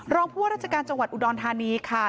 ผู้ว่าราชการจังหวัดอุดรธานีค่ะ